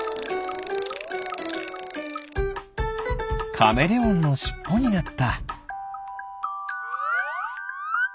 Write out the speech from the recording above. カメレオンのしっぽになった。